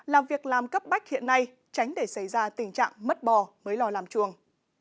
là việc làm cấp bách hiện nay tránh để xảy ra tình trạng mất bò mới lo làm chuồng